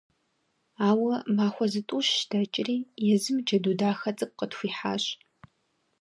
Ауэ махуэ зытӀущ дэкӀри, езым джэду дахэ цӀыкӀу къытхуихьащ…